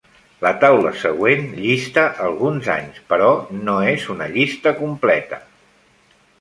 La taula següent llista alguns anys, però no és una llista completa.